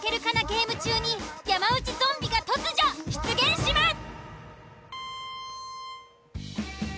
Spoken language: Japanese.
ゲーム中に山内ゾンビが突如出現します！